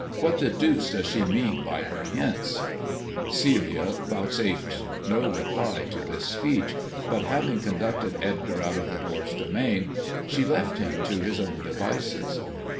What the deuce does she mean by her hints ?" Celia vouchsafed no reply to this speech, but having con icted Edgar out of the dwarf's domain, she left him to his m devices.